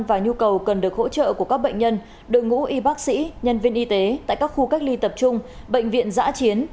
xin chào quý vị và các bạn